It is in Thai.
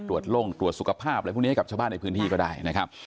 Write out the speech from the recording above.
ลงตรวจสุขภาพอะไรพวกนี้ให้กับชาวบ้านในพื้นที่ก็ได้นะครับ